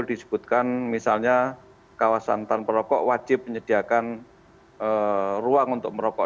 disebutkan misalnya kawasan tanpa rokok wajib menyediakan ruang untuk merokok